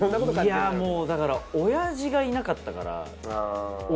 いやもうだから親父がいなかったから。